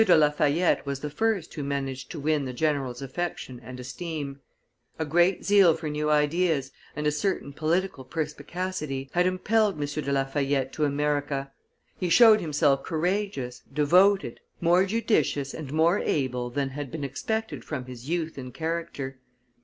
de La Fayette was the first who managed to win the general's affection and esteem. A great yearning for excitement and renown, a great zeal for new ideas and a certain political perspicacity, had impelled M. de La Fayette to America; he showed himself courageous, devoted, more judicious and more able than had been expected from his youth and character.